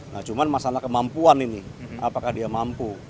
nah cuman masalah kemampuan ini apakah dia mampu